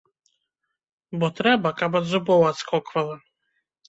Бо трэба, каб ад зубоў адскоквала!